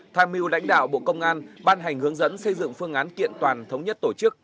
tham mưu lãnh đạo bộ công an ban hành hướng dẫn xây dựng phương án kiện toàn thống nhất tổ chức